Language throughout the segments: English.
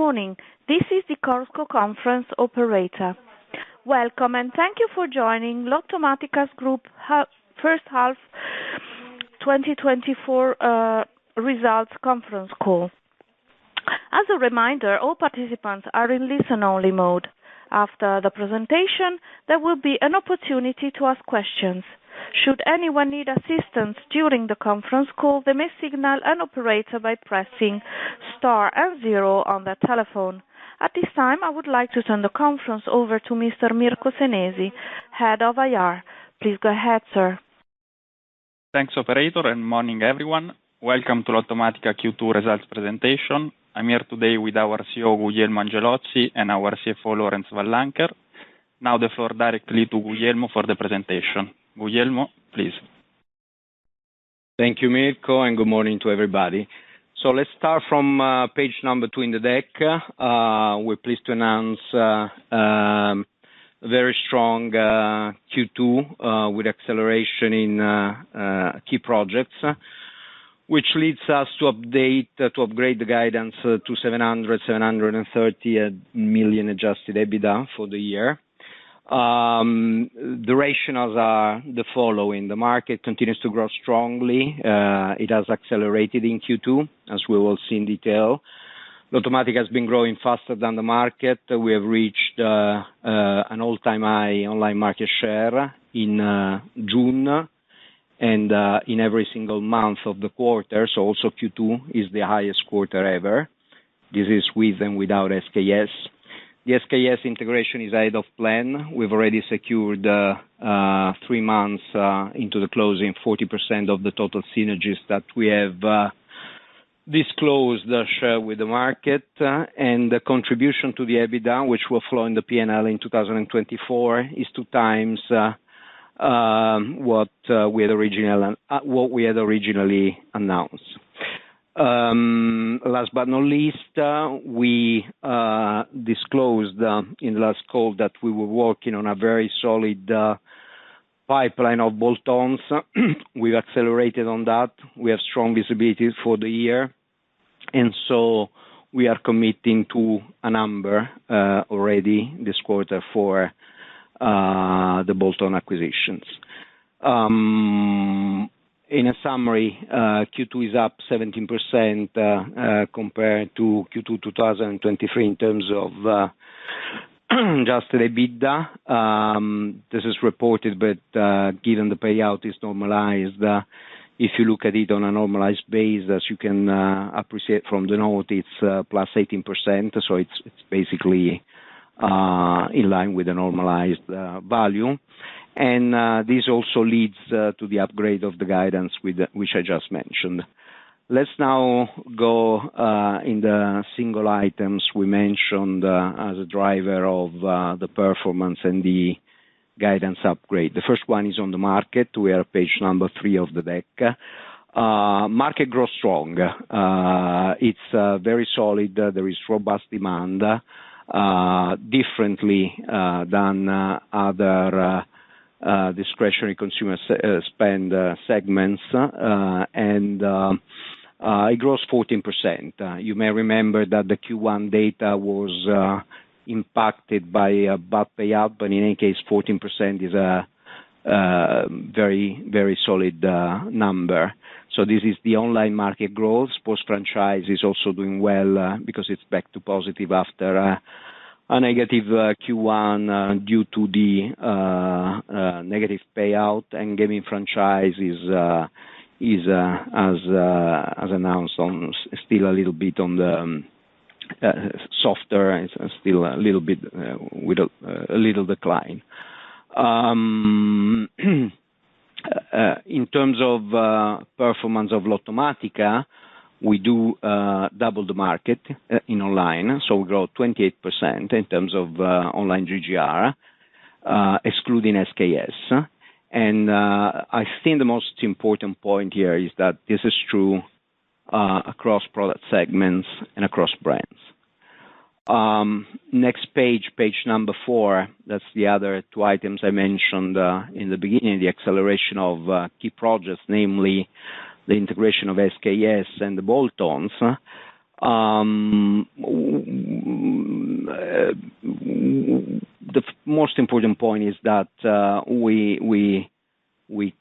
Good morning! This is the Corso Conference operator. Welcome, and thank you for joining Lottomatica Group First Half 2024 Results Conference Call. As a reminder, all participants are in listen-only mode. After the presentation, there will be an opportunity to ask questions. Should anyone need assistance during the conference call, they may signal an operator by pressing Star and zero on their telephone. At this time, I would like to turn the conference over to Mr. Mirko Senesi, head of IR. Please go ahead, sir. Thanks, operator, and good morning, everyone. Welcome to Lottomatica Q2 results presentation. I'm here today with our CEO, Guglielmo Angelozzi, and our CFO, Laurence Van Lancker. Now, the floor directly to Guglielmo for the presentation. Guglielmo, please. Thank you, Mirko, and good morning to everybody. So let's start from page two in the deck. We're pleased to announce very strong Q2 with acceleration in key projects, which leads us to upgrade the guidance to 730 million adjusted EBITDA for the year. The rationale for the following: the market continues to grow strongly, it has accelerated in Q2, as we will see in detail. Lottomatica has been growing faster than the market. We have reached an all-time high online market share in June, and in every single month of the quarter. So also Q2 is the highest quarter ever. This is with and without SKS. The SKS integration is ahead of plan. We've already secured three months into the closing 40% of the total synergies that we have disclosed share with the market, and the contribution to the EBITDA, which will flow in the PNL in 2024, is two times what we had originally announced. Last but not least, we disclosed in the last call that we were working on a very solid pipeline of bolt-ons. We accelerated on that. We have strong visibility for the year, and so we are committing to a number already this quarter for the bolt-on acquisitions. In a summary, Q2 is up 17% compared to Q2 2023, in terms of just EBITDA. This is reported, but given the payout is normalized, if you look at it on a normalized base, as you can appreciate from the note, it's plus 18%, so it's basically in line with the normalized value. And this also leads to the upgrade of the guidance which I just mentioned. Let's now go in the single items we mentioned as a driver of the performance and the guidance upgrade. The first one is on the market. We are page number three of the deck. Market grows strong. It's very solid. There is robust demand, differently than other discretionary consumer spend segments, and it grows 14%. You may remember that the Q1 data was impacted by a bad payout, but in any case, 14% is a very, very solid number. So this is the online market growth. Sports franchise is also doing well, because it's back to positive after a negative Q1 due to the negative payout. And gaming franchise is as announced on still a little bit on the softer and still a little bit with a little decline. In terms of performance of Lottomatica, we do double the market in online, so we grow 28% in terms of online GGR, excluding SKS. And I think the most important point here is that this is true across product segments and across brands. Next page, page number four, that's the other two items I mentioned in the beginning, the acceleration of key projects, namely the integration of SKS and the bolt-ons. Most important point is that we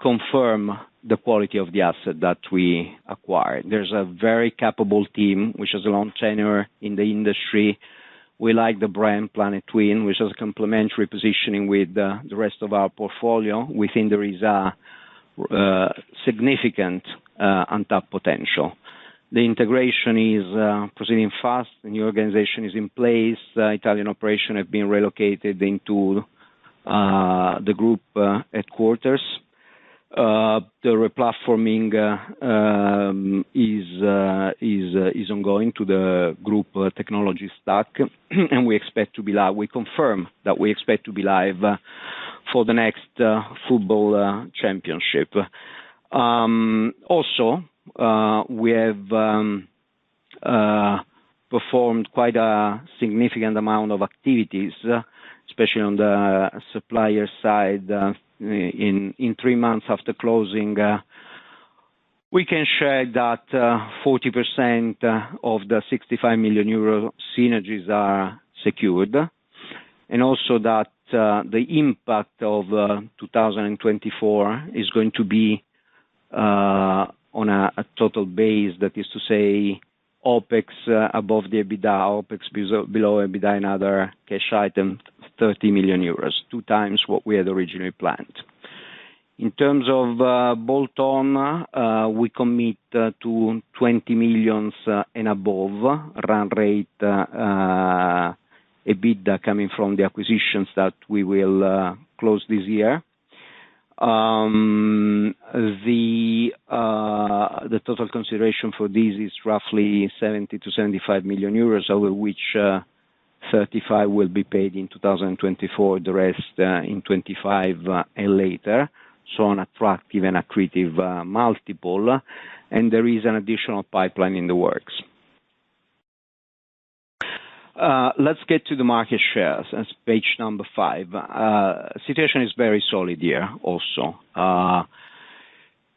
confirm the quality of the asset that we acquired. There's a very capable team, which has a long tenure in the industry. We like the brand, Planetwin, which has a complementary positioning with the rest of our portfolio. We think there is a significant on-top potential. The integration is proceeding fast. The new organization is in place. The Italian operation have been relocated into the group headquarters. The Replatforming is ongoing to the group technology stack, and we expect to be live... We confirm that we expect to be live for the next football championship. Also, we have performed quite a significant amount of activities, especially on the supplier side, in three months after closing. We can share that 40% of the 65 million euro synergies are secured, and also that the impact of 2024 is going to be on a total base, that is to say, OPEX above the EBITDA, OPEX below EBITDA, another cash item, 30 million euros, two times what we had originally planned. In terms of bolt-on, we commit to 20 million and above run rate EBITDA coming from the acquisitions that we will close this year. The total consideration for this is roughly 70-75 million euros, of which, 35 will be paid in 2024, the rest, in 2025, and later. So an attractive and accretive multiple, and there is an additional pipeline in the works. Let's get to the market shares. That's page number five. Situation is very solid here, also.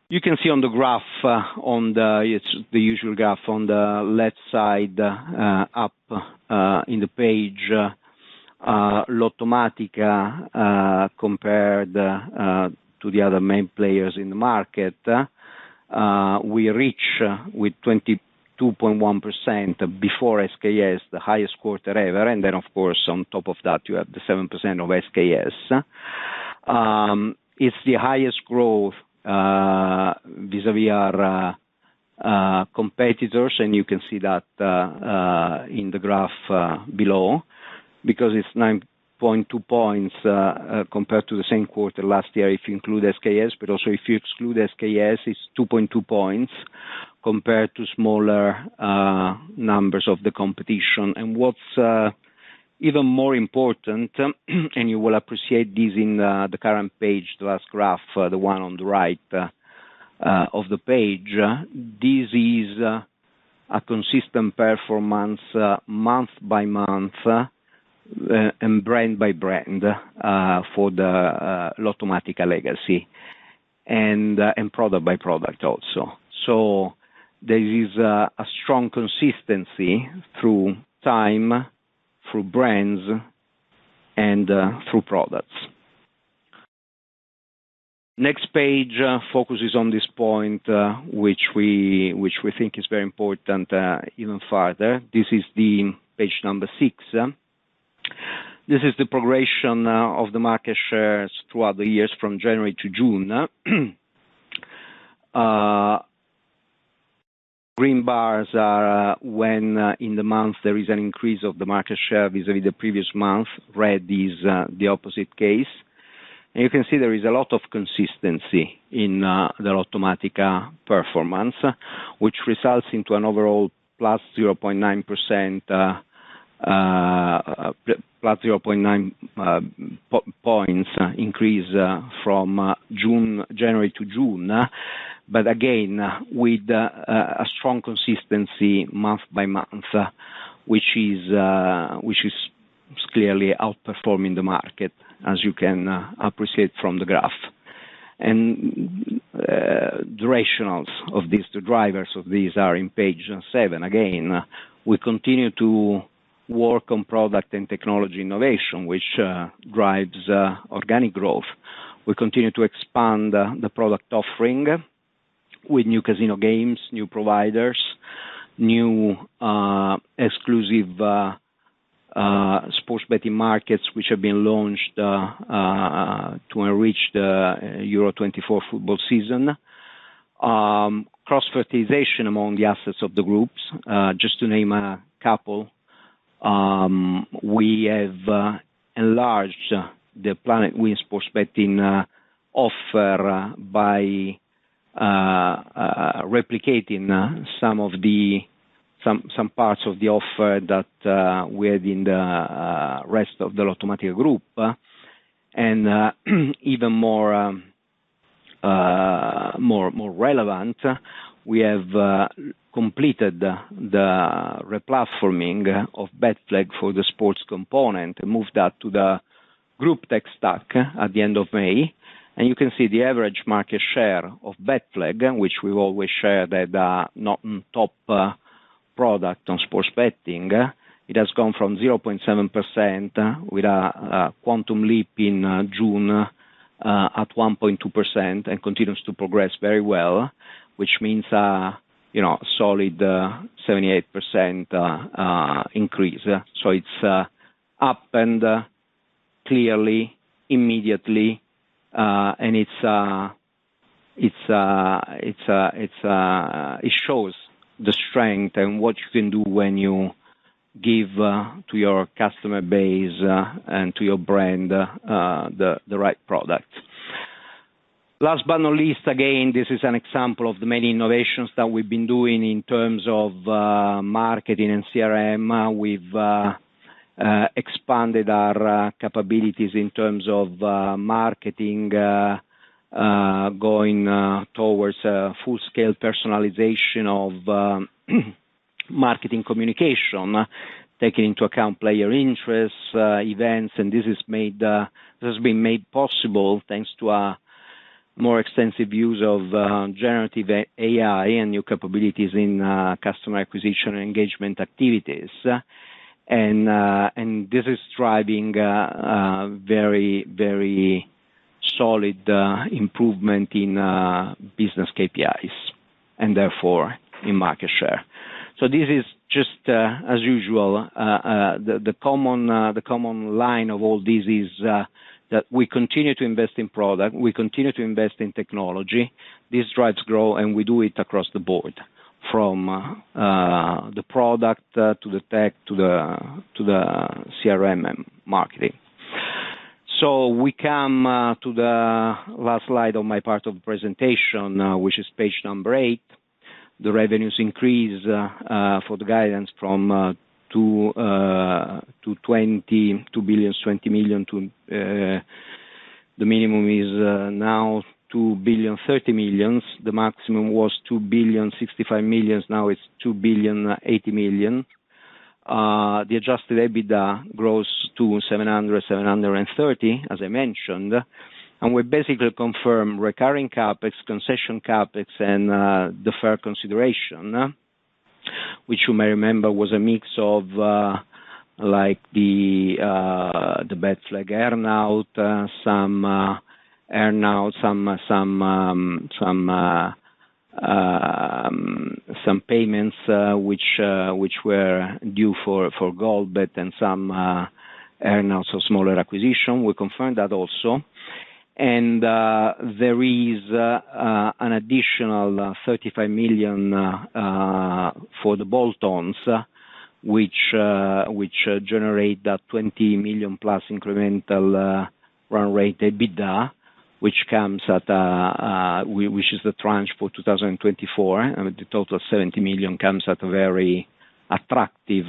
You can see on the graph, on the, it's the usual graph on the left side, up, in the page, Lottomatica, compared, to the other main players in the market. We reach, with 22.1% before SKS, the highest quarter ever, and then of course, on top of that, you have the 7% of SKS. It's the highest growth, vis-a-vis our competitors, and you can see that, in the graph below, because it's 9.2 points, compared to the same quarter last year, if you include SKS, but also if you exclude SKS, it's 2.2 points, compared to smaller numbers of the competition. And what's even more important, and you will appreciate this in the current page, last graph, the one on the right of the page, this is a consistent performance, month by month, and brand by brand, for the Lottomatica legacy, and product by product, also. So there is a strong consistency through time, through brands, and through products. Next page focuses on this point, which we think is very important, even farther. This is page six. This is the progression of the market shares throughout the years from January to June. Green bars are when in the month there is an increase of the market share vis-a-vis the previous month. Red is the opposite case. And you can see there is a lot of consistency in the Lottomatica performance, which results into an overall +0.9%, +0.9 points increase from June January to June. But again, with a strong consistency month by month, which is clearly outperforming the market, as you can appreciate from the graph. And, directionals of these, the drivers of these are on page seven. Again, we continue to work on product and technology innovation, which drives organic growth. We continue to expand the product offering with new casino games, new providers, new exclusive sports betting markets, which have been launched to reach the Euro 2024 football season. Cross-fertilization among the assets of the Group, just to name a couple, we have enlarged the Planetwin365 prospecting offer by replicating some of the parts of the offer that we have in the rest of the Lottomatica Group. And even more relevant, we have completed the Replatforming of BetFlag for the sports component, and moved that to the Group tech stack at the end of May. You can see the average market share of BetFlag, which we've always shared that not top product on sports betting. It has gone from 0.7% with a quantum leap in June at 1.2%, and continues to progress very well, which means you know solid 78% increase. So it's up and clearly immediately and it shows the strength and what you can do when you give to your customer base and to your brand the right product. Last but not least, again, this is an example of the many innovations that we've been doing in terms of marketing and CRM. We've expanded our capabilities in terms of marketing, going towards a full-scale personalization of marketing communication, taking into account player interests, events, and this is made, this has been made possible thanks to a more extensive use of generative AI and new capabilities in customer acquisition and engagement activities. And this is driving very, very solid improvement in business KPIs and therefore in market share. So this is just, as usual, the common, the common line of all this is that we continue to invest in product, we continue to invest in technology. This drives growth, and we do it across the board, from the product to the tech, to the CRM and marketing. We come to the last slide on my part of the presentation, which is page number eight. The revenues increase for the guidance from 2 billion-2.02 billion to, the minimum is now 2 billion 30 million. The maximum was 2 billion 65 million, now it's 2 billion 80 million. The adjusted EBITDA grows to 700 million-730 million, as I mentioned. We basically confirm recurring CapEx, concession CapEx, and deferred consideration, which you may remember was a mix of, like the bets like earn-out, some earn-out, some payments, which were due for Goalbet, then some, and also smaller acquisition. We confirmed that also. There is an additional 35 million for the bolt-ons, which generate that 20 million plus incremental run rate EBITDA, which comes at, which is the tranche for 2024, and the total of 70 million comes at a very attractive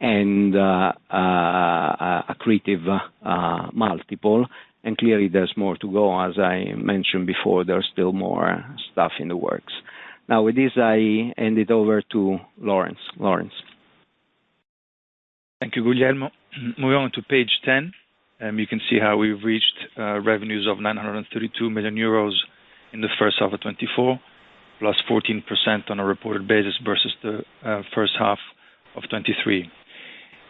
and accretive multiple. Clearly there's more to go. As I mentioned before, there are still more stuff in the works. Now, with this, I hand it over to Laurence. Laurence? Thank you, Guglielmo. Moving on to page 10, you can see how we've reached revenues of 932 million euros in the first half of 2024, plus 14% on a reported basis versus the first half of 2023.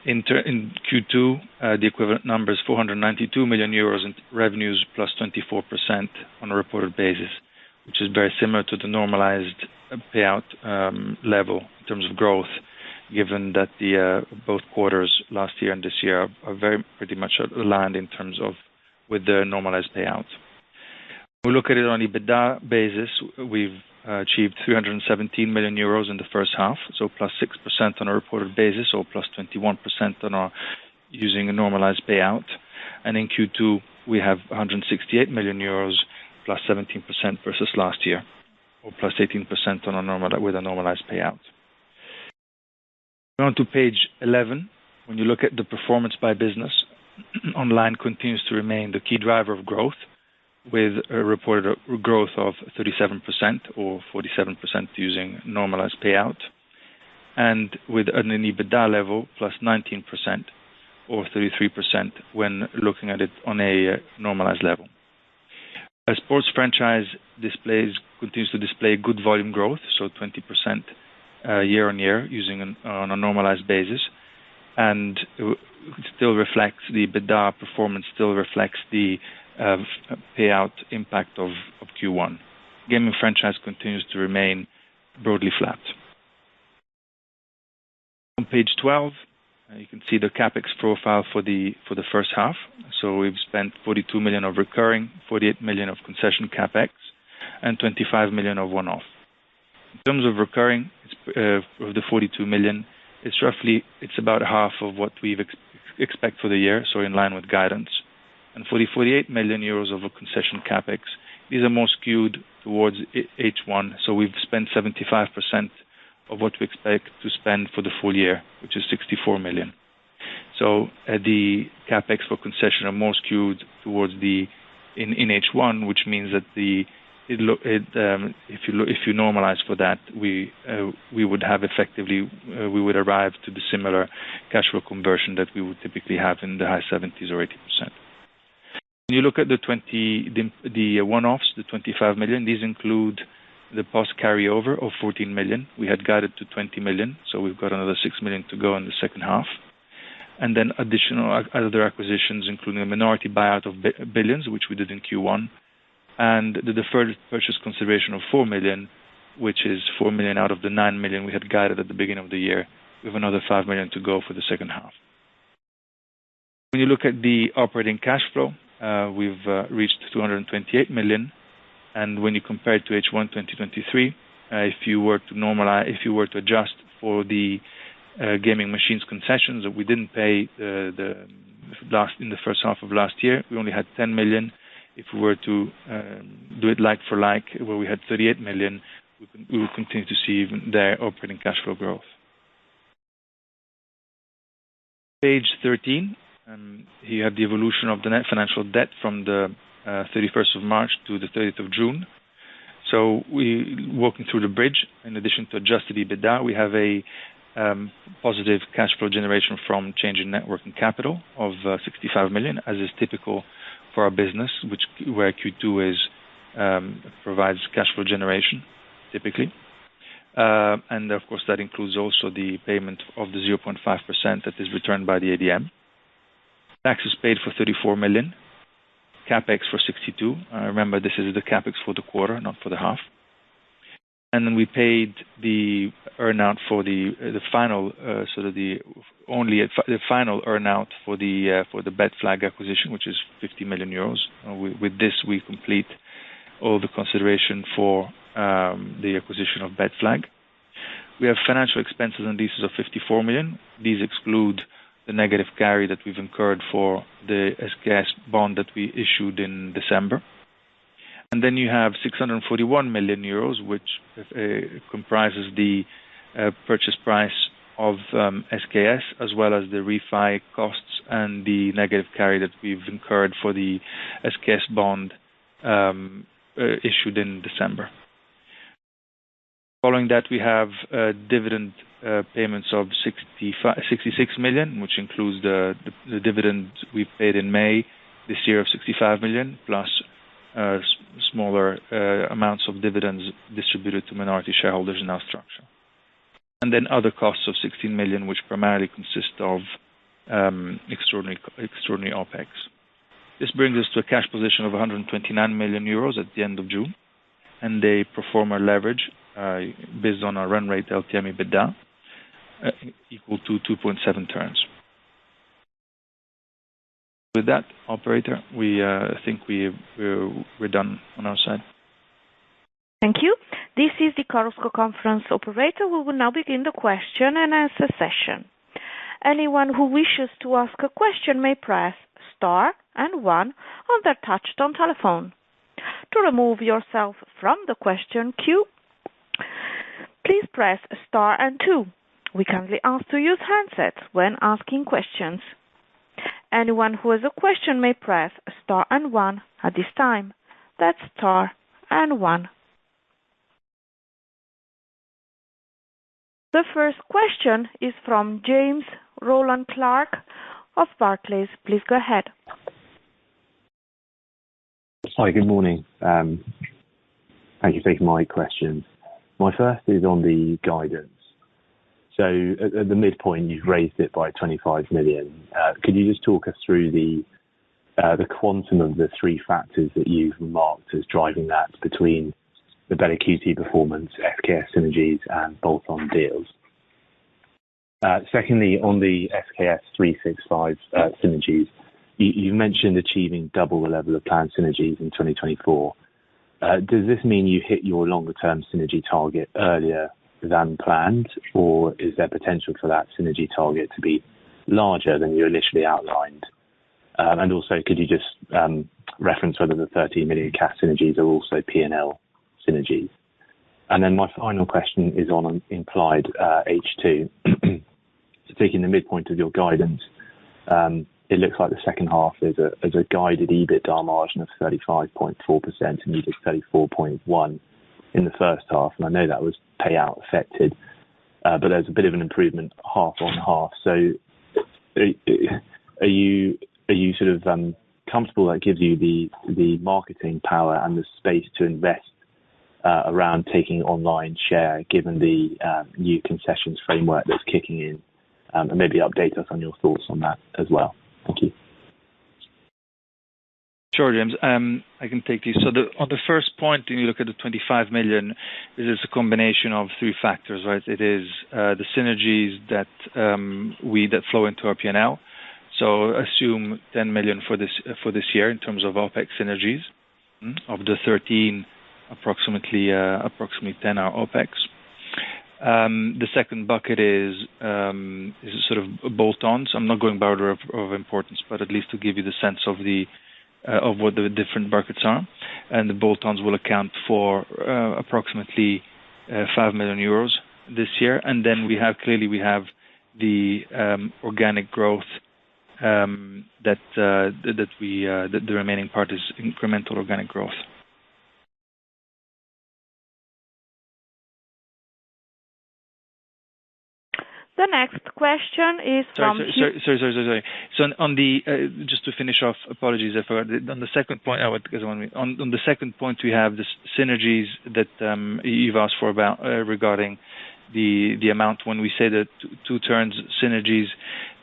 In Q2, the equivalent number is 492 million euros in revenues plus 24% on a reported basis, which is very similar to the normalized payout level in terms of growth, given that the both quarters last year and this year are very pretty much aligned in terms of with the normalized payouts. We look at it on EBITDA basis, we've achieved 317 million euros in the first half, so plus 6% on a reported basis or plus 21% on our using a normalized payout. In Q2, we have 168 million euros +17% versus last year, or +18% on a normal- with a normalized payout. Going to page 11, when you look at the performance by business, online continues to remain the key driver of growth, with a reported growth of 37% or 47% using normalized payout, and with an EBITDA level +19% or 33% when looking at it on a normalized level. A sports franchise displays-- continues to display good volume growth, so 20%, year on year, using on a normalized basis, and still reflects the EBITDA performance, still reflects the payout impact of Q1. Gaming franchise continues to remain broadly flat. On page 12, you can see the CapEx profile for the first half. So we've spent 42 million of recurring, 48 million of concession CapEx, and 25 million of one-off. In terms of recurring, the 42 million, it's roughly, it's about half of what we expect for the year, so in line with guidance. And 48 million euros of concession CapEx is more skewed towards H1. So we've spent 75% of what we expect to spend for the full year, which is 64 million. So the CapEx for concession are more skewed towards H1, which means that it looks, if you normalize for that, we would have effectively, we would arrive to the similar cash flow conversion that we would typically have in the high 70s or 80%. When you look at the 20, the one-offs, the 25 million, these include the past carryover of 14 million. We had guided to 20 million, so we've got another 6 million to go in the second half. And then additional other acquisitions, including a minority buyout of Billions, which we did in Q1, and the deferred purchase consideration of 4 million, which is 4 million out of the 9 million we had guided at the beginning of the year, with another 5 million to go for the second half. When you look at the operating cash flow, we've reached 228 million, and when you compare it to H1 in 2023, if you were to normalize, if you were to adjust for the gaming machines concessions that we didn't pay, the last in the first half of last year, we only had 10 million. If we were to do it like for like, where we had 38 million, we would continue to see their operating cash flow growth. Page 13, you have the evolution of the net financial debt from the thirty-first of March to the thirtieth of June. So we walking through the bridge, in addition to Adjusted EBITDA, we have a positive cash flow generation from change in network and capital of 65 million, as is typical for our business, which where Q2 is provides cash flow generation, typically. And of course, that includes also the payment of the 0.5% that is returned by the ADM. Tax is paid for 34 million, CapEx for 62. Remember, this is the CapEx for the quarter, not for the half. And then we paid the earn-out for the final earn-out for the BetFlag acquisition, which is 50 million euros. With this, we complete all the consideration for the acquisition of BetFlag. We have financial expenses, and this is a 54 million. These exclude the negative carry that we've incurred for the SKS bond that we issued in December. And then you have 641 million euros, which comprises the purchase price of SKS, as well as the refi costs and the negative carry that we've incurred for the SKS bond issued in December. Following that, we have dividend payments of 66 million, which includes the dividend we paid in May this year of 65 million, plus smaller amounts of dividends distributed to minority shareholders in our structure. And then other costs of 16 million, which primarily consist of extraordinary OPEX. This brings us to a cash position of 129 million euros at the end of June, and they perform our leverage based on our run rate LTM EBITDA equal to 2.7x. With that, operator, we think we're done on our side. Thank you. This is the Carlos Ghosn conference operator. We will now begin the question and answer session. Anyone who wishes to ask a question may press star and one on their touchtone telephone. To remove yourself from the question queue, please press star and two. We kindly ask to use handsets when asking questions. Anyone who has a question may press star and one at this time. That's star and one. The first question is from James Rowland Clark of Barclays. Please go ahead. Hi, good morning. Thank you for taking my questions. My first is on the guidance. So at the midpoint, you've raised it by 25 million. Could you just talk us through the quantum of the three factors that you've marked as driving that between the VLT performance, SKS365 synergies, and bolt-on deals? Secondly, on the SKS365 synergies, you mentioned achieving double the level of planned synergies in 2024. Does this mean you hit your longer term synergy target earlier than planned, or is there potential for that synergy target to be larger than you initially outlined? And also, could you just reference whether the 13 million cash synergies are also PNL synergies? And then my final question is on an implied H2. So taking the midpoint of your guidance, it looks like the second half is a guided EBITDA margin of 35.4%, and you did 34.1 in the first half, and I know that was payout affected, but there's a bit of an improvement half on half. So are you sort of comfortable that gives you the marketing power and the space to invest around taking online share, given the new concessions framework that's kicking in? And maybe update us on your thoughts on that as well. Thank you. Sure, James. I can take you. So on the first point, when you look at the 25 million, this is a combination of three factors, right? It is the synergies that flow into our PNL. So assume 10 million for this year in terms of OPEX synergies. Of the 13, approximately 10 are OPEX. The second bucket is sort of bolt-ons. I'm not going by order of importance, but at least to give you the sense of what the different buckets are. And the bolt-ons will account for approximately 5 million euros this year. And then we have clearly we have the organic growth that the remaining part is incremental organic growth. The next question is from- Sorry, sorry, sorry, sorry, sorry. So on the just to finish off, apologies, I forgot. On the second point, I want to go on. On the second point, we have the synergies that you've asked for about regarding the amount when we say that two terms synergies.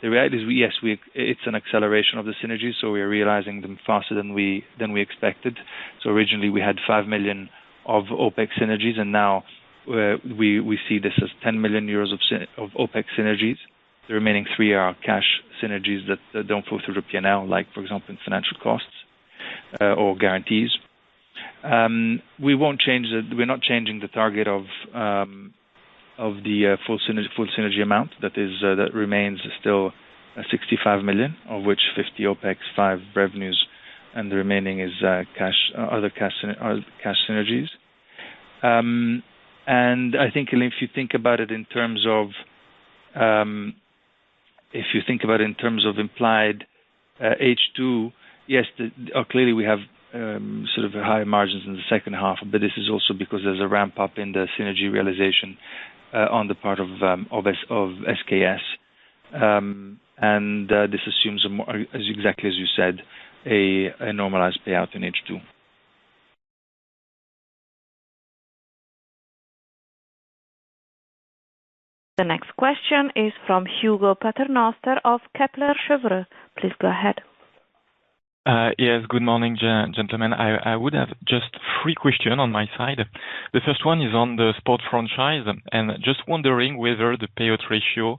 The reality is, yes, we—it's an acceleration of the synergies, so we are realizing them faster than we expected. So originally we had 5 million of OPEX synergies, and now we see this as 10 million euros of OPEX synergies. The remaining three are cash synergies that don't flow through the PNL, like, for example, in financial costs or guarantees. We won't change the... We're not changing the target of, of the, full synergy, full synergy amount that is, that remains still a 65 million, of which 50 OPEX, 5 revenues, and the remaining is, cash, other cash synergies. And I think, and if you think about it in terms of, if you think about it in terms of implied, H2, yes, the-- clearly we have, sort of higher margins in the second half, but this is also because there's a ramp up in the synergy realization, on the part of, of S- of SKS. And, this assumes a more, as exactly as you said, a, a normalized payout in H2. The next question is from Hugo Paternoster of Kepler Cheuvreux. Please go ahead. Yes, good morning, gentlemen. I would have just three question on my side. The first one is on the sport franchise, and just wondering whether the payout ratio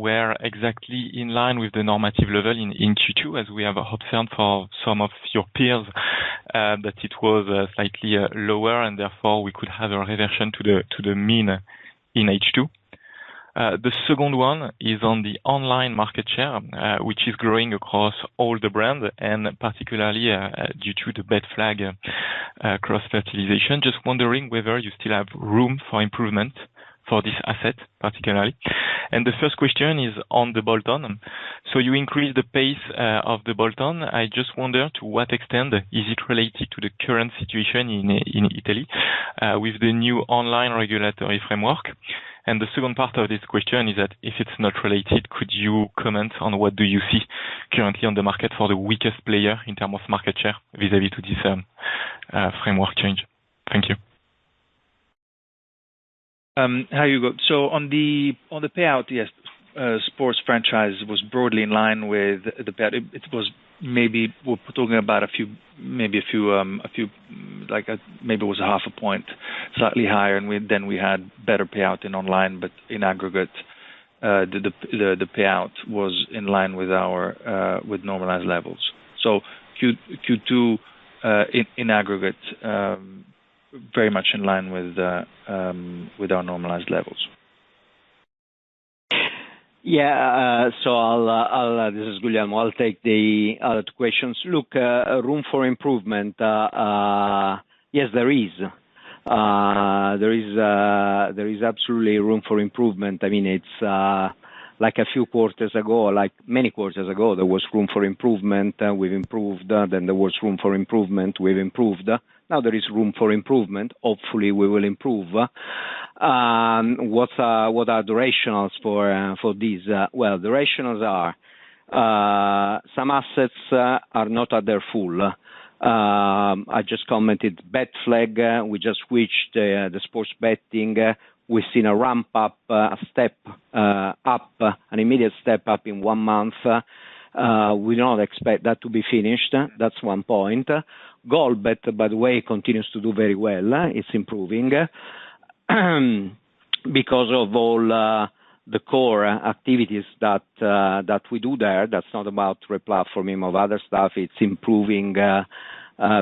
were exactly in line with the normative level in Q2, as we have heard for some of your peers that it was slightly lower, and therefore we could have a reversion to the mean in H2. The second one is on the online market share, which is growing across all the brands, and particularly due to the BetFlag cross-fertilization. Just wondering whether you still have room for improvement for this asset, particularly? And the first question is on the bolt-on. So you increase the pace of the bolt-on. I just wonder, to what extent is it related to the current situation in Italy, with the new online regulatory framework? And the second part of this question is that if it's not related, could you comment on what do you see currently on the market for the weakest player in term of market share vis-a-vis to this framework change? Thank you. Hi, Hugo. So on the payout, yes, sports franchise was broadly in line with the payout—it was maybe a few, like, maybe it was a half a point, slightly higher, and then we had better payout in online, but in aggregate, the payout was in line with our normalized levels. So Q2 in aggregate very much in line with our normalized levels. Yeah. So I'll, this is Guglielmo, I'll take the other two questions. Look, room for improvement, yes, there is. There is absolutely room for improvement. I mean, it's like a few quarters ago, like many quarters ago, there was room for improvement, we've improved. Then there was room for improvement, we've improved. Now there is room for improvement, hopefully we will improve. What are the rationale for these? Well, the rationale are some assets are not at their full. I just commented BetFlag, we just switched the sports betting. We've seen a ramp up, a step up, an immediate step up in one month. We don't expect that to be finished. That's one point. Goalbet, by the way, continues to do very well. It's improving, because of all the core activities that we do there. That's not about Replatforming of other stuff, it's improving,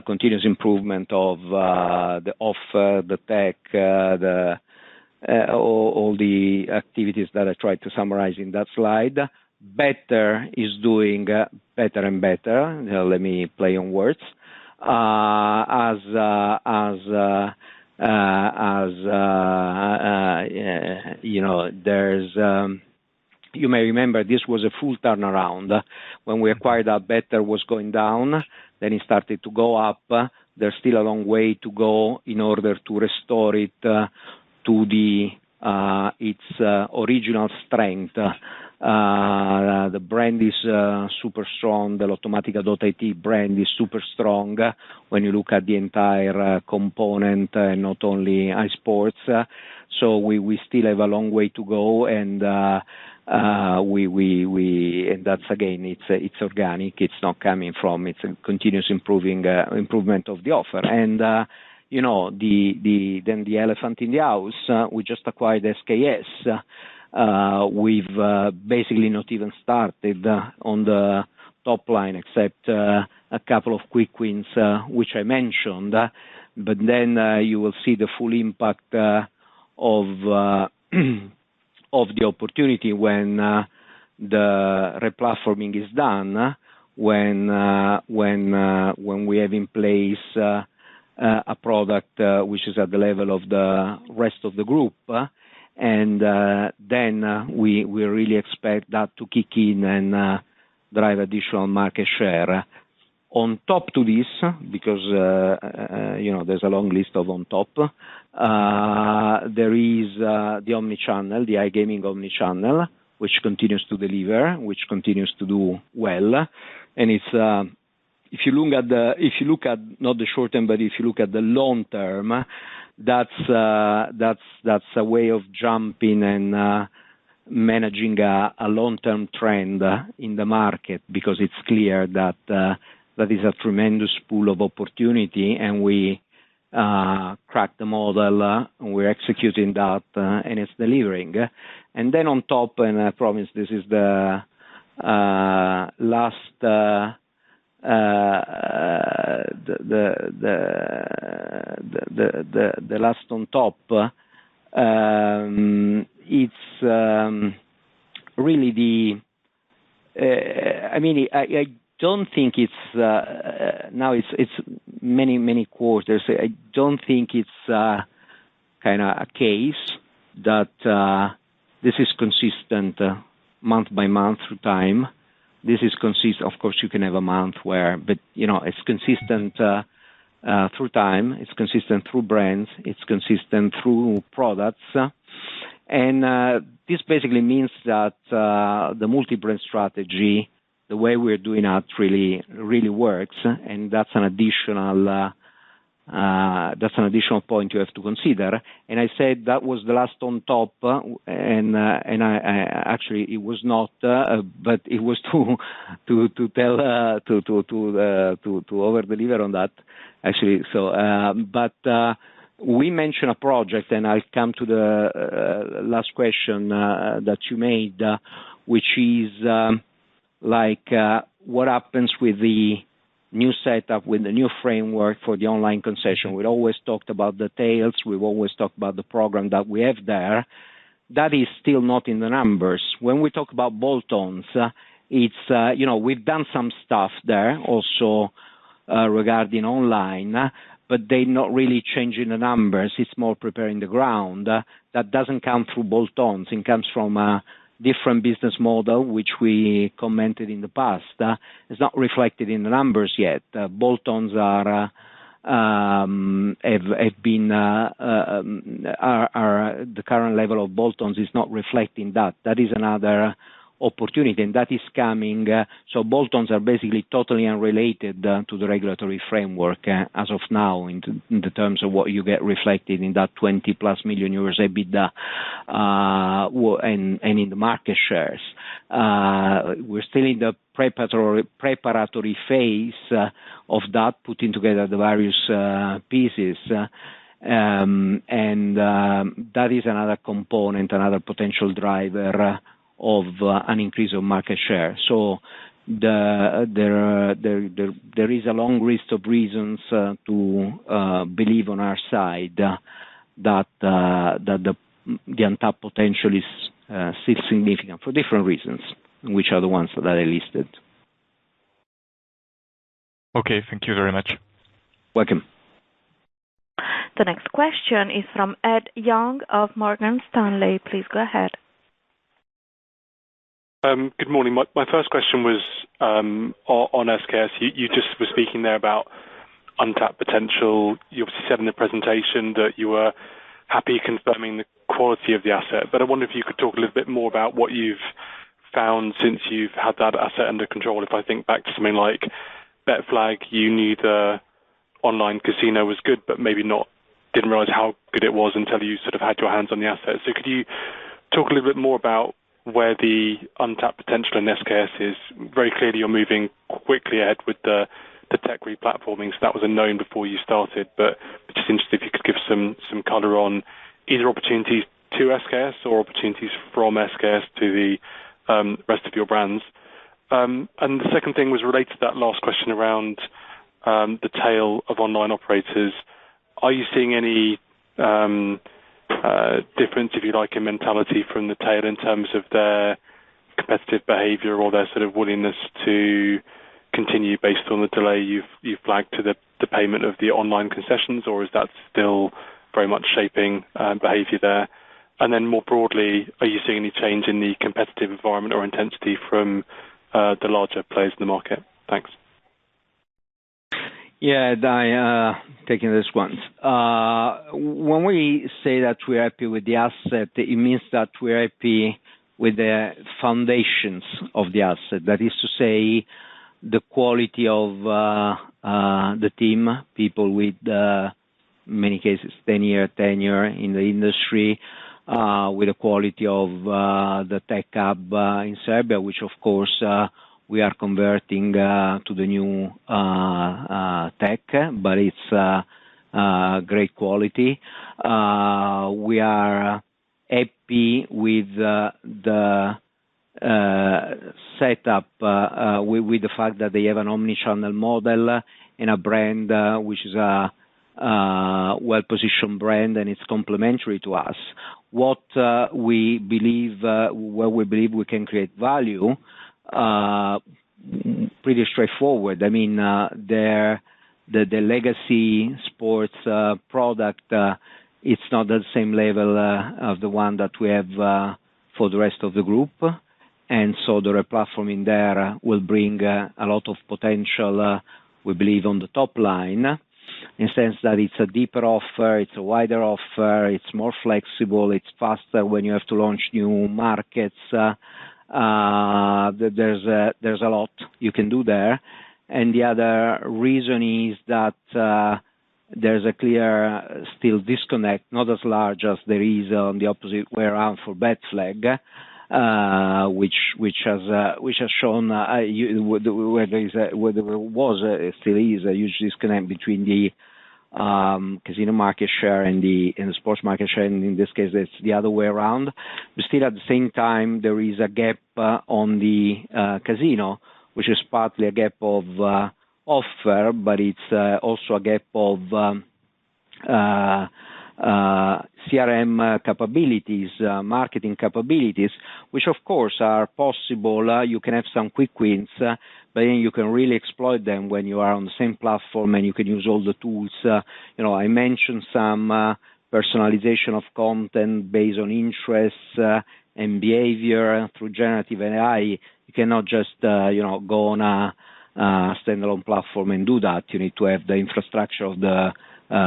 continuous improvement of the tech, all the activities that I tried to summarize in that slide. Better is doing better and better. Let me play on words. As you know, you may remember this was a full turnaround. When we acquired Better that was going down, then it started to go up. There's still a long way to go in order to restore it to its original strength. The brand is super strong. The Lottomatica.it brand is super strong when you look at the entire component, not only iSports. So we still have a long way to go, and that's again, it's organic. It's not coming from, it's a continuous improving improvement of the offer. And you know, the then the elephant in the house, we just acquired SKS. We've basically not even started on the top line, except a couple of quick wins, which I mentioned. But then, you will see the full impact of the opportunity when the re-platforming is done, when we have in place a product which is at the level of the rest of the group, and then we really expect that to kick in and drive additional market share. On top of this, because you know, there's a long list of on top, there is the omni-channel, the iGaming omni-channel, which continues to deliver, which continues to do well. And it's if you look at not the short term, but if you look at the long term, that's a way of jumping and managing a long-term trend in the market, because it's clear that that is a tremendous pool of opportunity, and we crack the model, we're executing that, and it's delivering. And then on top, and I promise this is the last on top, it's really the. I mean, I don't think it's now it's it's many, many quarters. I don't think it's kind of a case that this is consistent month by month through time. This is consistent. Of course, you can have a month where, but, you know, it's consistent through time, it's consistent through brands, it's consistent through products. And, this basically means that, the multi-brand strategy, the way we're doing that really, really works, and that's an additional, that's an additional point you have to consider. And I said that was the last on top, and, and I, actually, it was not, but it was to over-deliver on that, actually. So, but, we mentioned a project, and I'll come to the last question that you made, which is, like, what happens with the new setup, with the new framework for the online concession? We'd always talked about the tails, we've always talked about the program that we have there. That is still not in the numbers. When we talk about bolt-ons, it's, you know, we've done some stuff there also, regarding online, but they're not really changing the numbers. It's more preparing the ground. That doesn't come through bolt-ons, it comes from a different business model, which we commented in the past. It's not reflected in the numbers yet. Bolt-ons are. The current level of bolt-ons is not reflecting that. That is another opportunity, and that is coming, so bolt-ons are basically totally unrelated, to the regulatory framework, as of now, in the terms of what you get reflected in that 20+ million euros EBITDA, and in the market shares. We're still in the preparatory phase of that, putting together the various pieces, and that is another component, another potential driver of an increase of market share. So there is a long list of reasons to believe on our side that the untapped potential is still significant for different reasons, which are the ones that I listed. Okay. Thank you very much. Welcome. The next question is from Ed Young of Morgan Stanley. Please go ahead. Good morning. My first question was on SKS. You just were speaking there about untapped potential. You obviously said in the presentation that you were happy confirming the quality of the asset, but I wonder if you could talk a little bit more about what you've found since you've had that asset under control. If I think back to something like BetFlag, you knew the online casino was good, but maybe not, didn't realize how good it was until you sort of had your hands on the asset. So could you talk a little bit more about where the untapped potential in SKS is? Very clearly you're moving quickly ahead with the tech Replatforming, so that was a known before you started, but just interested if you could give some color on either opportunities to SKS or opportunities from SKS to the rest of your brands. And the second thing was related to that last question around the tail of online operators. Are you seeing any difference, if you like, in mentality from the tail in terms of their competitive behavior or their sort of willingness to continue based on the delay you've flagged to the payment of the online concessions, or is that still very much shaping behavior there? And then more broadly, are you seeing any change in the competitive environment or intensity from the larger players in the market? Thanks. Yeah, I taking this once. When we say that we're happy with the asset, it means that we're happy with the foundations of the asset. That is to say, the quality of the team, people with many cases, 10-year tenure in the industry, with the quality of the tech hub in Serbia, which of course we are converting to the new tech, but it's great quality. We are happy with the setup with the fact that they have an omni-channel model and a brand which is a well-positioned brand and it's complementary to us. What we believe, where we believe we can create value, pretty straightforward. I mean, their legacy sports product is not the same level of the one that we have for the rest of the group, and so the Replatforming there will bring a lot of potential, we believe, on the top line, in the sense that it's a deeper offer, it's a wider offer, it's more flexible, it's faster when you have to launch new markets. There's a lot you can do there. And the other reason is that, there's a clear, still disconnect, not as large as there is on the opposite way around for BetFlag, which has shown, where there was, still is a huge disconnect between the casino market share and the sports market share, and in this case it's the other way around. But still, at the same time, there is a gap on the casino, which is partly a gap of offer, but it's also a gap of CRM capabilities, marketing capabilities, which of course, are possible. You can have some quick wins, but then you can really exploit them when you are on the same platform, and you can use all the tools. You know, I mentioned some personalization of content based on interests and behavior through generative AI. You cannot just you know, go on a standalone platform and do that. You need to have the infrastructure of the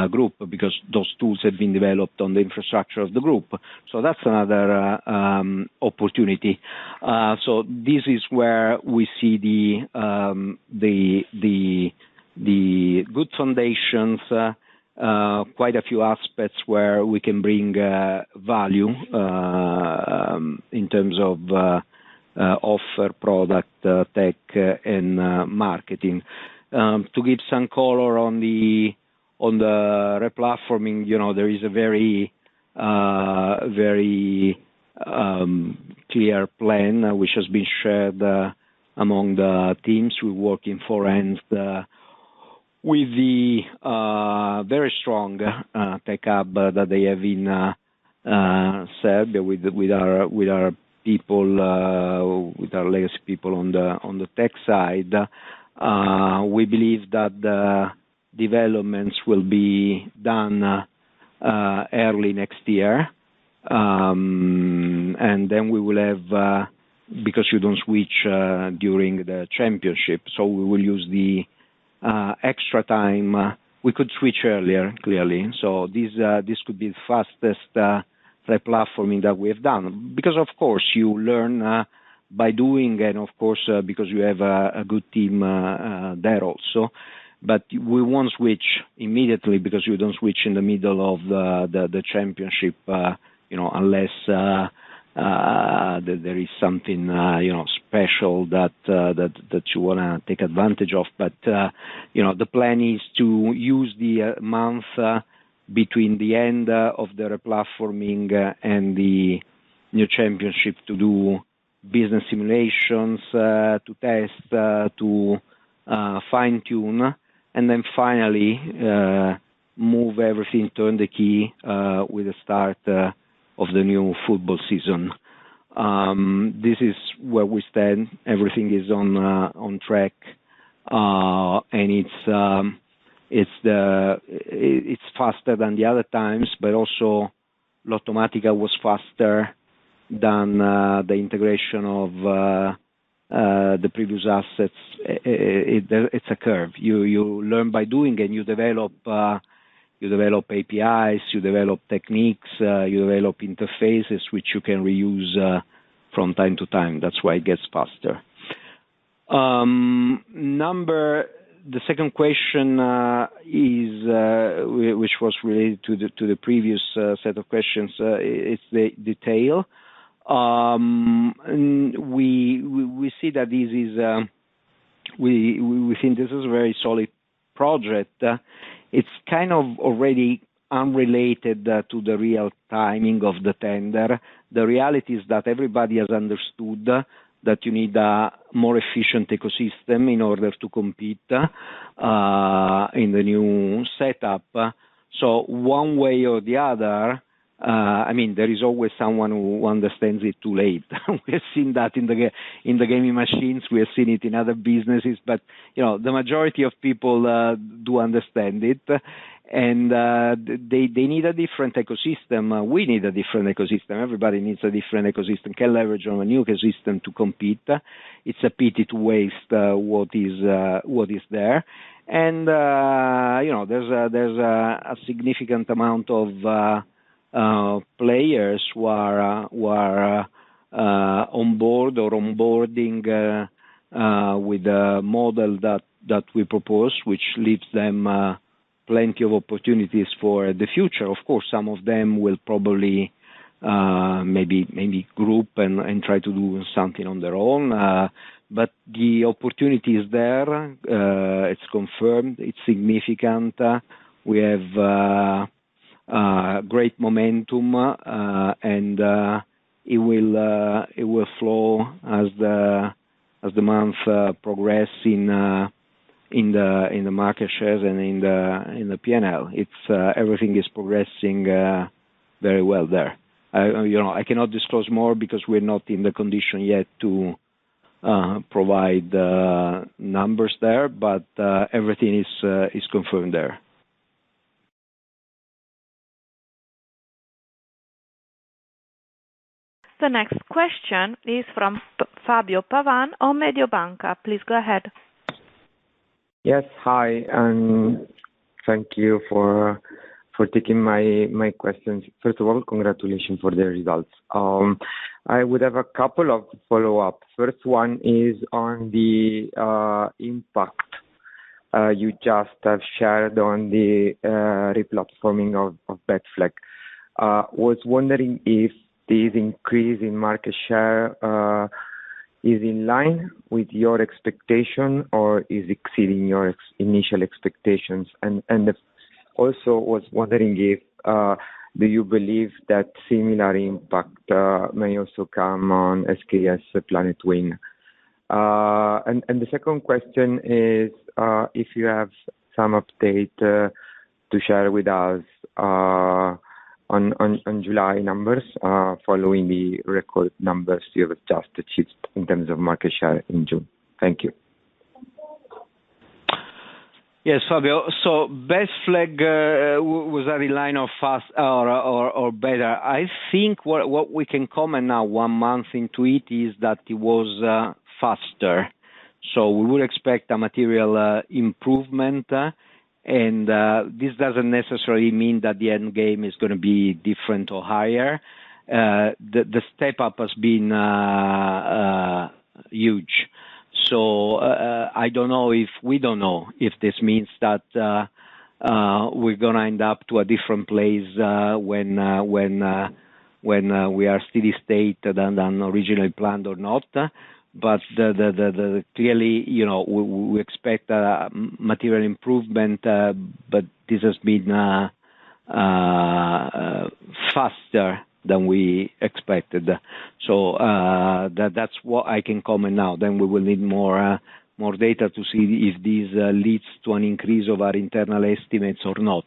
group, because those tools have been developed on the infrastructure of the group. So that's another opportunity. So this is where we see the good foundations quite a few aspects where we can bring value in terms of offer product, tech, and marketing. To give some color on the re-platforming, you know, there is a very, very clear plan which has been shared among the teams who work in foreign with the very strong tech hub that they have in Serbia with our people, with our latest people on the tech side. We believe that the developments will be done early next year. And then we will have, because you don't switch during the championship, so we will use the extra time. We could switch earlier, clearly, so this could be the fastest re-platforming that we have done. Because of course, you learn by doing and of course, because you have a good team there also. But we won't switch immediately because you don't switch in the middle of the championship, you know, unless there is something, you know, special that you wanna take advantage of. But, you know, the plan is to use the month between the end of the re-platforming and the new championship to do business simulations, to test, to fine-tune, and then finally, move everything, turn the key, with the start of the new football season. This is where we stand. Everything is on track. And it's faster than the other times, but also Lottomatica was faster than the integration of the previous assets. It's a curve. You, you learn by doing, and you develop, you develop APIs, you develop techniques, you develop interfaces which you can reuse, from time to time. That's why it gets faster. Number two, the second question is which was related to the previous set of questions is the detail. And we, we, we see that this is, we, we think this is a very solid project. It's kind of already unrelated to the real timing of the tender. The reality is that everybody has understood that you need a more efficient ecosystem in order to compete in the new setup. So one way or the other, I mean, there is always someone who understands it too late. We have seen that in the gaming machines, we have seen it in other businesses, but, you know, the majority of people do understand it, and they need a different ecosystem. We need a different ecosystem. Everybody needs a different ecosystem, can leverage on a new ecosystem to compete. It's a pity to waste what is there. And, you know, there's a significant amount of players who are on board or onboarding with the model that we propose, which leaves them plenty of opportunities for the future. Of course, some of them will probably, maybe, maybe group and try to do something on their own, but the opportunity is there. It's confirmed, it's significant. We have great momentum, and it will flow as the months progress in the market shares and in the PNL. Everything is progressing very well there. You know, I cannot disclose more because we're not in the condition yet to provide numbers there, but everything is confirmed there. The next question is from Fabio Pavan on Mediobanca. Please go ahead. Yes, hi, and thank you for taking my questions. First of all, congratulations for the results. I would have a couple of follow-up. First one is on the impact you just have shared on the Replatforming of BetFlag. Was wondering if this increase in market share is in line with your expectation or is exceeding your initial expectations? And also was wondering if do you believe that similar impact may also come on SKS Planetwin365? And the second question is if you have some update to share with us on July numbers following the record numbers you have just achieved in terms of market share in June. Thank you. Yes, Fabio. So BetFlag, was that in line of fast or better? I think what we can comment now, one month into it, is that it was faster. So we would expect a material improvement, and this doesn't necessarily mean that the end game is gonna be different or higher. Clearly, you know, we expect material improvement, but this has been faster than we expected. So, that's what I can comment now, then we will need more data to see if this leads to an increase of our internal estimates or not.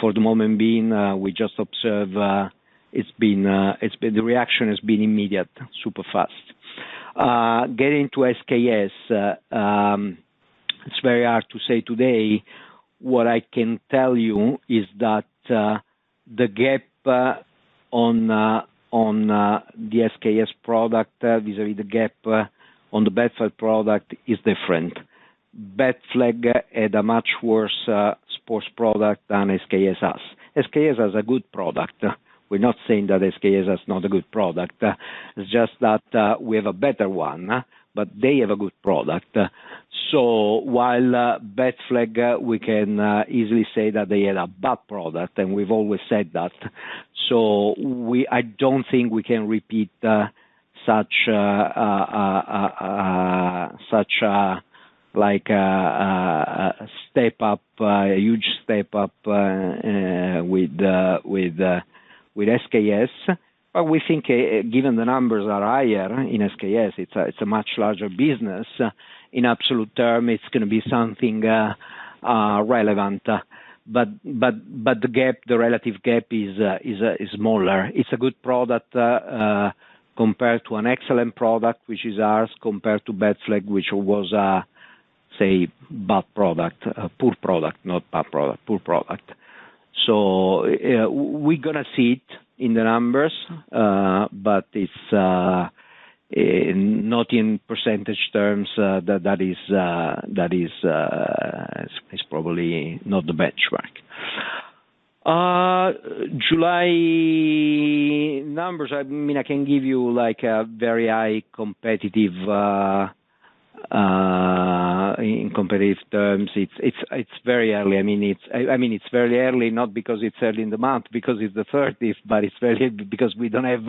For the moment being, we just observe, it's been, the reaction has been immediate, super fast. Getting to SKS, it's very hard to say today. What I can tell you is that the gap on the SKS product vis-à-vis the gap on the BetFlag product is different. BetFlag had a much worse sports product than SKS has. SKS has a good product, we're not saying that SKS has not a good product, it's just that we have a better one, but they have a good product. So while BetFlag, we can easily say that they had a bad product, and we've always said that, so we—I don't think we can repeat such, like, a step up, a huge step up, with SKS. But we think, given the numbers are higher in SKS, it's a, it's a much larger business. In absolute term, it's gonna be something relevant. But the gap, the relative gap is smaller. It's a good product, compared to an excellent product, which is ours, compared to BetFlag, which was, say, bad product, poor product, not bad product, poor product. So, we gonna see it in the numbers, but it's not in percentage terms, that is probably not the benchmark. July numbers, I mean, I can give you, like, a very high competitive in competitive terms. It's very early. I mean, it's very early, not because it's early in the month, because it's the thirtieth, but it's very, because we don't have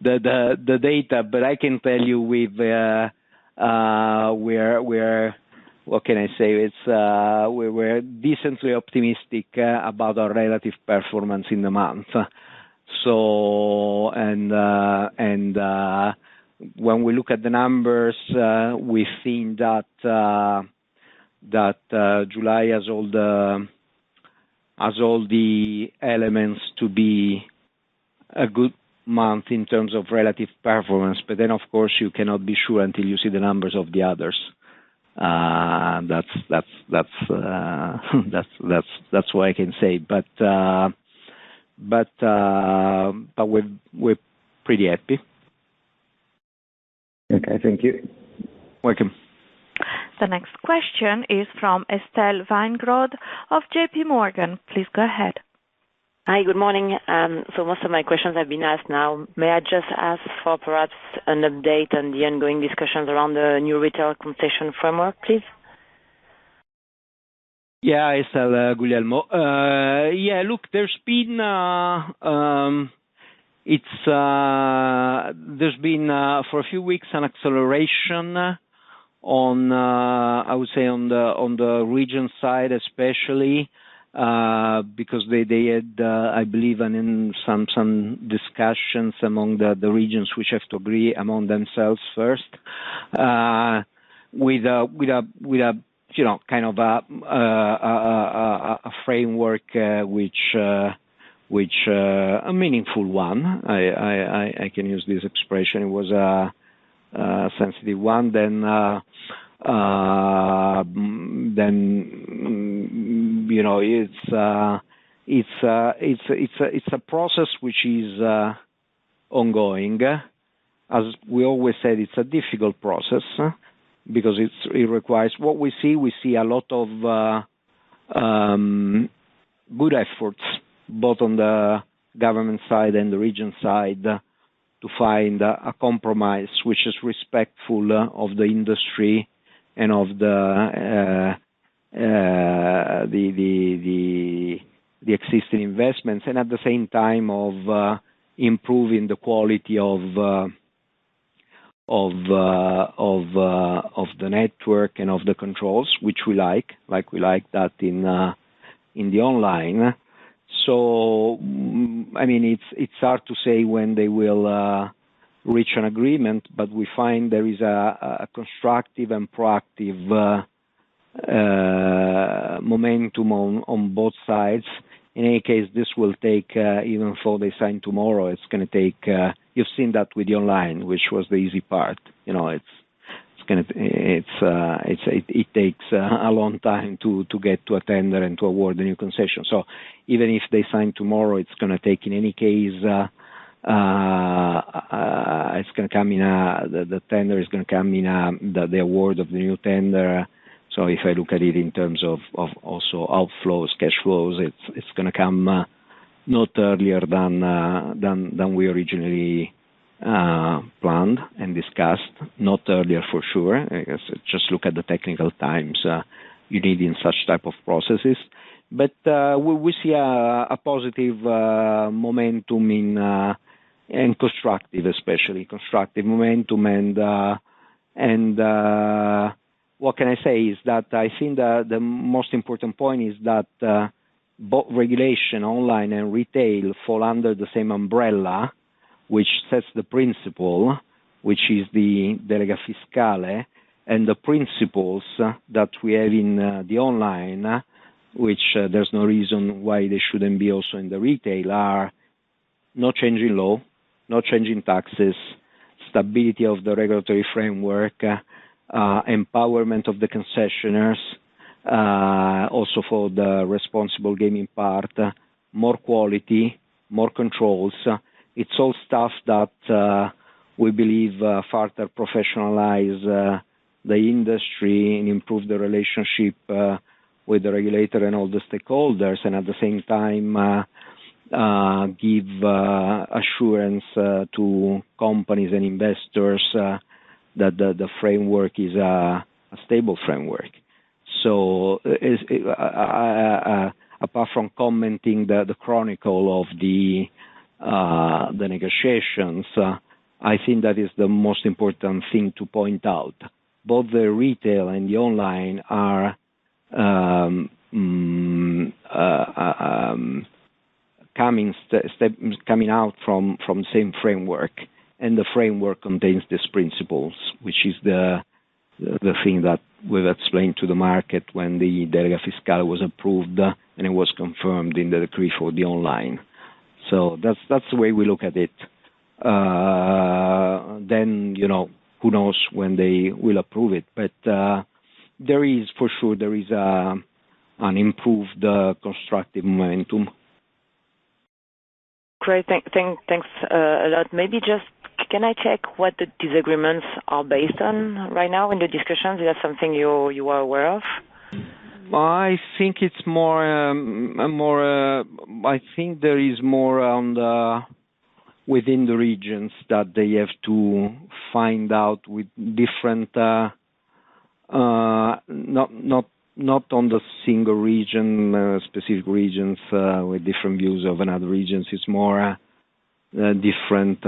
the data. But I can tell you we're... What can I say? It's, we're decently optimistic about our relative performance in the month. So, when we look at the numbers, we've seen that July has all the elements to be a good month in terms of relative performance, but then, of course, you cannot be sure until you see the numbers of the others. That's what I can say. But we're pretty happy. Okay, thank you. Welcome. The next question is from Estelle Weingrod of J.P. Morgan. Please go ahead. Hi, good morning. So most of my questions have been asked now. May I just ask for perhaps an update on the ongoing discussions around the new retail competition framework, please? Yeah, Estelle, Guglielmo. Yeah, look, there's been for a few weeks an acceleration on, I would say on the region side especially, because they had, I believe, and in some discussions among the regions which have to agree among themselves first, with a, you know, kind of a framework which a meaningful one. I can use this expression. It was then, you know, it's a process which is ongoing. As we always said, it's a difficult process, because it's, it requires what we see, we see a lot of good efforts, both on the government side and the region side, to find a compromise, which is respectful of the industry and of the existing investments, and at the same time of improving the quality of the network and of the controls, which we like, like we like that in the online. So, I mean, it's hard to say when they will reach an agreement, but we find there is a constructive and proactive momentum on both sides. In any case, this will take even before they sign tomorrow, it's gonna take-- you've seen that with the online, which was the easy part, you know, it's gonna take a long time to get to a tender and to award the new concession. So even if they sign tomorrow, it's gonna take, in any case, it's gonna come in, the tender is gonna come in, the award of the new tender. So if I look at it in terms of also outflows, cash flows, it's gonna come not earlier than than we originally planned and discussed. Not earlier for sure, I guess, just look at the technical times you need in such type of processes. But, we see a positive momentum in and constructive, especially constructive momentum. And what can I say is that I think the most important point is that both regulation, online and retail, fall under the same umbrella, which sets the principle, which is the Delega Fiscale. And the principles that we have in the online, which there's no reason why they shouldn't be also in the retail, are no changing law, no changing taxes, stability of the regulatory framework, empowerment of the concessioners, also for the responsible gaming part, more quality, more controls. It's all stuff that we believe further professionalize the industry and improve the relationship with the regulator and all the stakeholders. At the same time, give assurance to companies and investors that the framework is a stable framework. So apart from commenting the chronicle of the negotiations, I think that is the most important thing to point out. Both the retail and the online are coming out from the same framework, and the framework contains these principles, which is the thing that we've explained to the market when the Delega Fiscale was approved, and it was confirmed in the decree for the online. So that's the way we look at it. Then, you know, who knows when they will approve it. But there is, for sure, an improved constructive momentum. Great. Thanks a lot. Maybe just, can I check what the disagreements are based on right now in the discussions? Is that something you are aware of? I think it's more a more. I think there is more within the regions that they have to find out with different not on the single region specific regions with different views of another regions. It's more different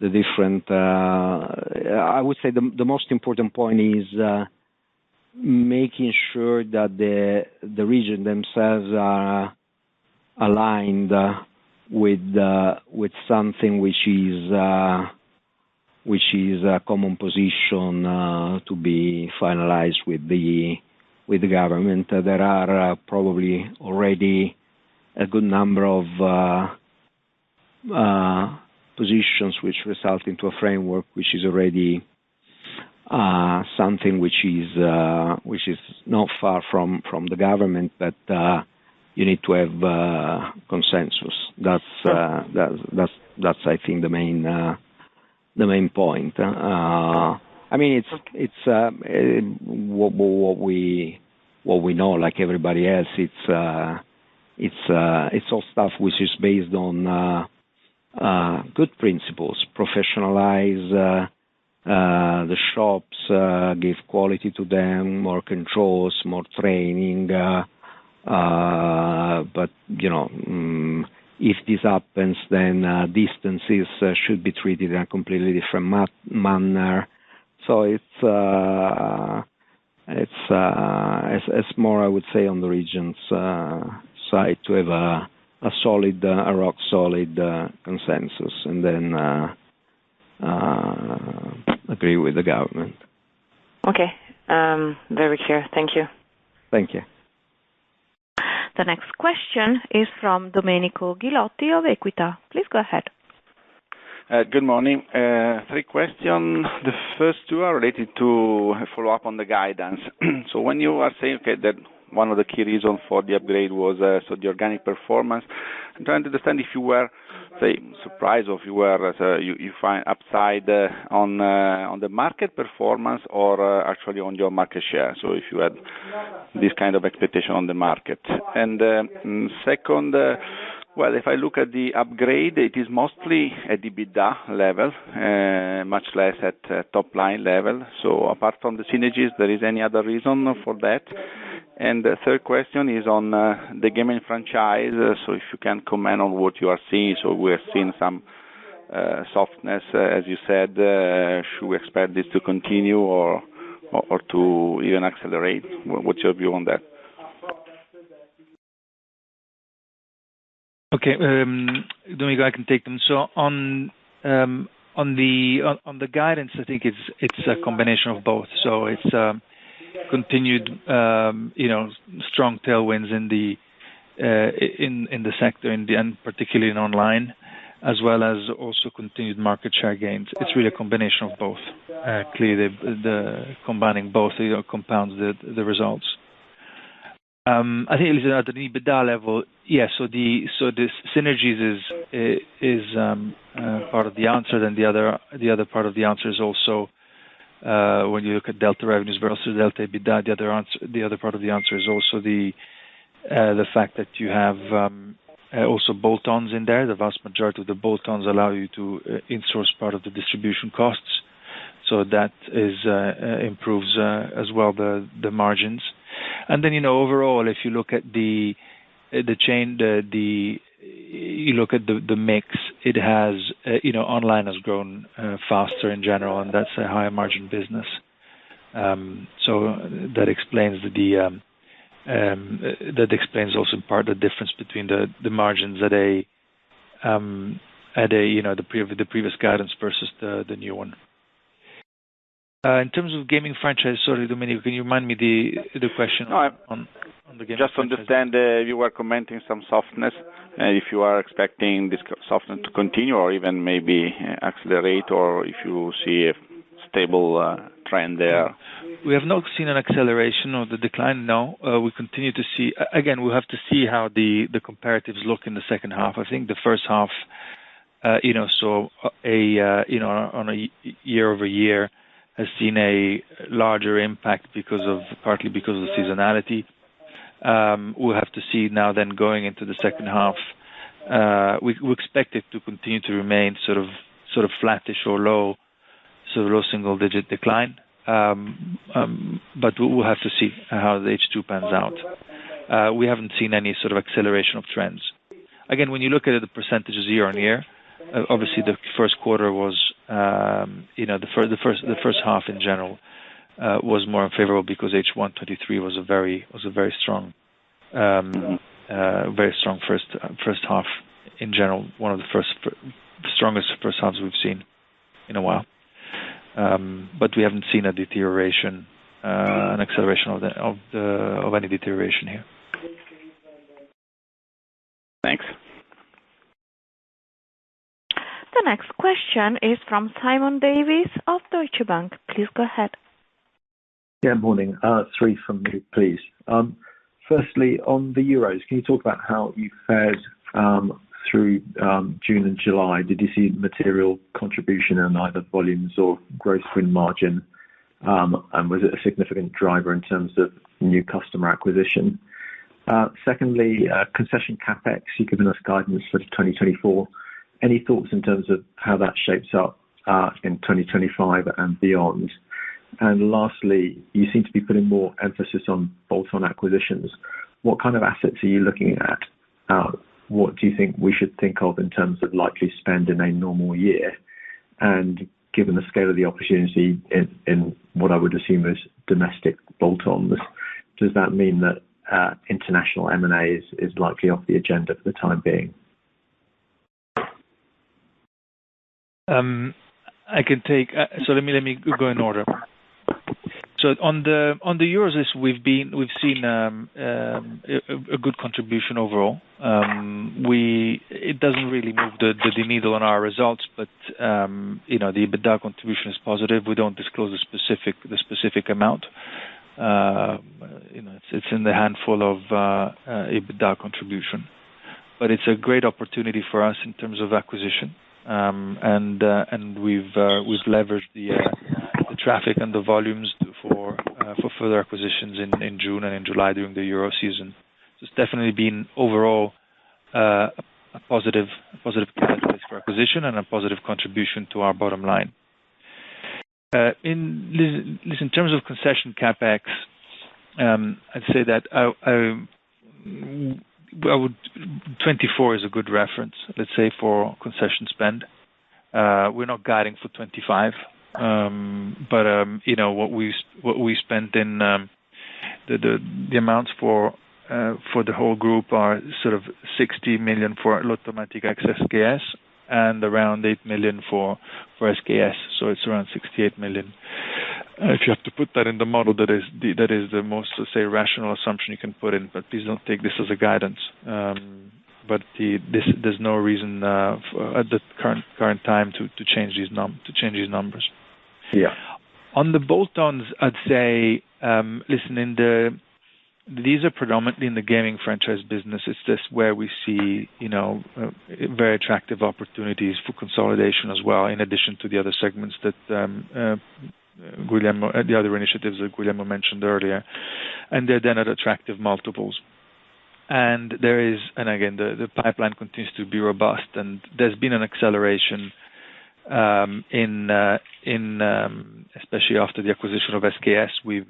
the different. I would say the most important point is making sure that the regions themselves are aligned with something which is a common position to be finalized with the government. There are probably already a good number of positions which result into a framework which is already something which is not far from the government, but you need to have consensus. That's I think the main point. I mean, it's what we know, like everybody else, it's all stuff which is based on good principles, professionalize the shops, give quality to them, more controls, more training, but, you know, if this happens, then distances should be treated in a completely different manner. So it's more, I would say, on the region's side, to have a solid, rock solid consensus, and then agree with the government. Okay. Very clear. Thank you. Thank you. The next question is from Domenico Ghilotti of Equita. Please go ahead. Good morning. Three questions. The first two are related to a follow-up on the guidance. So when you are saying, okay, that one of the key reasons for the upgrade was, so the organic performance, I'm trying to understand if you were, say, surprised or if you were, you find upside, on, on the market performance or, actually on your market share, so if you had this kind of expectation on the market. And, second, well, if I look at the upgrade, it is mostly at the EBITDA level, much less at, top line level. So apart from the synergies, there is any other reason for that? And the third question is on, the gaming franchise. So if you can comment on what you are seeing, so we are seeing some-... Softness, as you said, should we expect this to continue or, or to even accelerate? What, what's your view on that? Okay, let me go, I can take them. So on the guidance, I think it's a combination of both. So it's continued, you know, strong tailwinds in the sector and then particularly in online, as well as also continued market share gains. It's really a combination of both. Clearly, combining both compounds the results. I think at an EBITDA level, yes, so the synergies is part of the answer, then the other part of the answer is also when you look at delta revenues, but also delta EBITDA, the other part of the answer is also the fact that you have also bolt-ons in there. The vast majority of the bolt-on's allow you to, insource part of the distribution costs, so that is, improves, as well, the, the margins. And then, you know, overall, if you look at the, the chain, the, the-- you look at the, the mix, it has, you know, online has grown, faster in general, and that's a higher margin business. So that explains the, that explains also part of the difference between the, the margins at a, at a, you know, the pre- the previous guidance versus the, the new one. In terms of gaming franchise, sorry, Domenico, can you remind me the, the question on, on the gaming? Just understand, you were commenting some softness, and if you are expecting this softness to continue or even maybe accelerate, or if you see a stable, trend there? We have not seen an acceleration or the decline, no. We continue to see... Again, we'll have to see how the comparatives look in the second half. I think the first half, you know, on a year-over-year, has seen a larger impact because of, partly because of the seasonality. We'll have to see now then going into the second half, we expect it to continue to remain sort of flattish or low single digit decline. But we'll have to see how the H2 pans out. We haven't seen any sort of acceleration of trends. Again, when you look at it, the percentages year-on-year, obviously the first quarter was, you know, the first half in general was more favorable because H1 2023 was a very strong first half. In general, one of the strongest first halves we've seen in a while. But we haven't seen a deterioration. Mm-hmm. an acceleration of any deterioration here. Thanks. The next question is from Simon Davies of Deutsche Bank. Please go ahead. Yeah, morning. Three from me, please. Firstly, on the Euros, can you talk about how you fared through June and July? Did you see material contribution in either volumes or gross win margin? And was it a significant driver in terms of new customer acquisition? Secondly, concession CapEx, you given us guidance for 2024. Any thoughts in terms of how that shapes up in 2025 and beyond? And lastly, you seem to be putting more emphasis on bolt-on acquisitions. What kind of assets are you looking at? What do you think we should think of in terms of likely spend in a normal year? And given the scale of the opportunity in what I would assume is domestic bolt-on, does that mean that international M&A is likely off the agenda for the time being? So let me go in order. So on the Euros, we've seen a good contribution overall. It doesn't really move the needle on our results, but you know, the EBITDA contribution is positive. We don't disclose the specific amount. You know, it's in the handful of EBITDA contribution. But it's a great opportunity for us in terms of acquisition, and we've leveraged the traffic and the volumes for further acquisitions in June and in July during the Euro season. So it's definitely been overall a positive catalyst for acquisition and a positive contribution to our bottom line. In terms of concession CapEx, I'd say that I would... 2024 is a good reference, let's say, for concession spend. We're not guiding for 2025, but, you know what we spent in the amounts for the whole group are sort of 60 million for Lottomatica SKS and around 8 million for SKS, so it's around 68 million. If you have to put that in the model, that is the most, let's say, rational assumption you can put in, but please don't take this as a guidance. But there's no reason for at the current time to change these numbers. Yeah. On the bolt-ons, I'd say, listen, in the—these are predominantly in the gaming franchise business. It's just where we see, you know, very attractive opportunities for consolidation as well, in addition to the other segments that, Guglielmo, the other initiatives that Guglielmo mentioned earlier, and they're done at attractive multiples. And there is, and again, the pipeline continues to be robust, and there's been an acceleration, especially after the acquisition of SKS. We've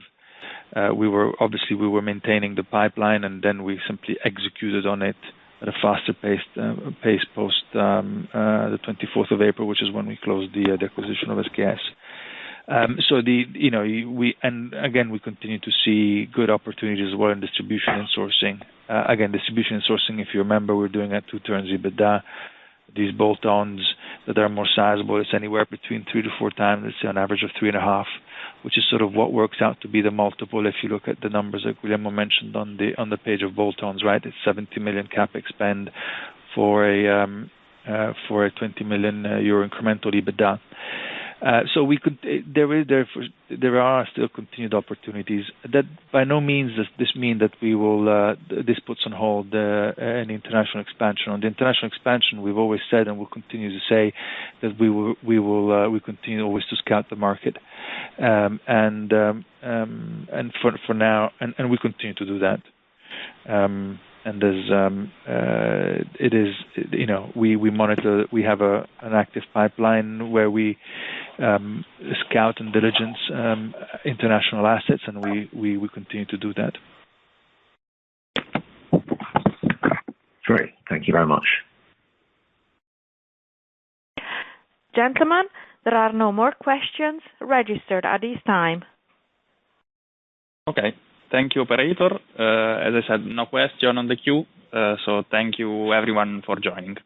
obviously we were maintaining the pipeline, and then we simply executed on it at a faster-paced pace post the twenty-fourth of April, which is when we closed the acquisition of SKS. So, you know, we... And again, we continue to see good opportunities as well in distribution and sourcing. Again, distribution and sourcing, if you remember, we're doing at 2x EBITDA. These bolt-ons that are more sizable, it's anywhere between 3-4 times, let's say an average of 3.5, which is sort of what works out to be the multiple if you look at the numbers that Guglielmo mentioned on the page of bolt-ons, right? It's 70 million CapEx spend for a 20 million euro incremental EBITDA. So we could, there are still continued opportunities. That by no means does this mean that we will, this puts on hold any international expansion. On the international expansion, we've always said and will continue to say that we will continue always to scout the market. For now, we continue to do that. And there is, you know, we monitor. We have an active pipeline where we scout and diligence international assets, and we continue to do that. Great. Thank you very much. Gentlemen, there are no more questions registered at this time. Okay. Thank you, operator. As I said, no question on the queue, so thank you everyone for joining.